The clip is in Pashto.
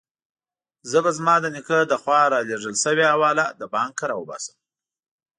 زه به زما د نیکه له خوا رالېږل شوې حواله له بانکه راوباسم.